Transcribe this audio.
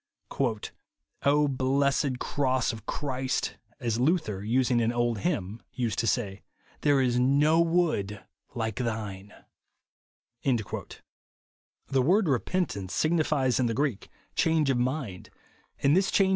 " blessed cross of Christ," as Luther, using an old hymn, used to say, " there is no wood like thine !" The word " repentance " signifies in the Greek, " change of mind ;" and this change IXSENSIKILITY.